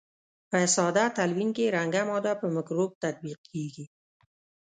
په ساده تلوین کې رنګه ماده په مکروب تطبیق کیږي.